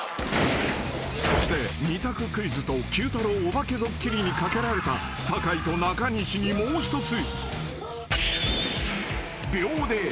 ［そして２択クイズとＱ太郎オバケドッキリにかけられた酒井と中西にもう一つ］